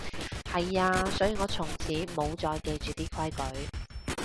係啊，所以我從此無再記住啲規矩